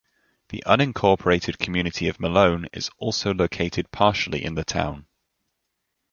The unincorporated community of Malone is also located partially in the town.